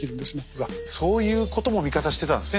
うわっそういうことも味方してたんですね。